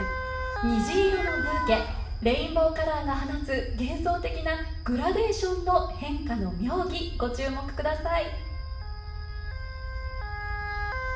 虹色のブーケ、レインボーカラーが放つ幻想的なグラデーションの変化の妙技、ご注目ください。